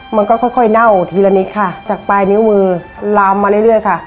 มันก็ค่อยค่อยเน่าทีละนิดค่ะจากปลายนิ้วมือลามมาเรื่อยค่ะ